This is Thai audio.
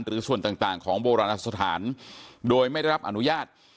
หรือส่วนต่างของโบราณสถานโดยไม่ได้รับอนุญาต